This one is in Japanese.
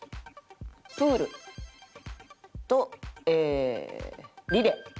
「プール」とええー「リレー」。